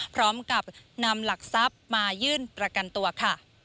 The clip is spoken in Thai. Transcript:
พร้อมกับนำหลักทรัพย์มายื่นประกันตัวค่ะ